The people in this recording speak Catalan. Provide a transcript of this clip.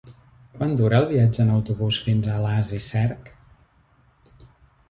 Quant dura el viatge en autobús fins a Alàs i Cerc?